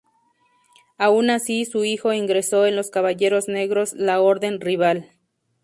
Aun así, su hijo ingresó en los caballeros negros, la orden rival.